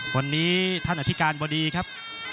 วันนี้ท่านอธิการบดีครับ